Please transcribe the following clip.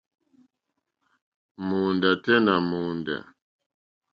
Mòóndá tɛ́ nà mòóndá.